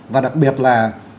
và đặc biệt là